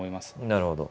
なるほど。